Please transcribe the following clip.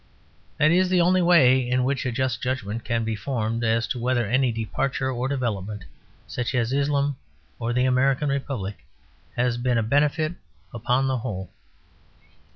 That is the only way in which a just judgment can be formed as to whether any departure or development, such as Islam or the American Republic, has been a benefit upon the whole.